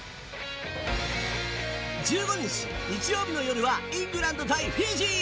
１５日、日曜日の夜はイングランド対フィジー。